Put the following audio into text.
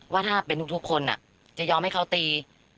ว่าถ้าเป็นทุกคนจะยอมให้เขาตี